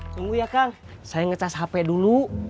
tunggu ya kang saya ngecas hp dulu